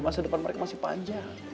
masa depan mereka masih panjang